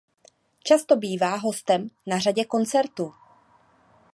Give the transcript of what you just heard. Často bývá hostem na řadě koncertů.